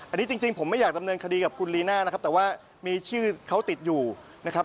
อันนี้จริงผมไม่อยากดำเนินคดีกับคุณลีน่านะครับแต่ว่ามีชื่อเขาติดอยู่นะครับ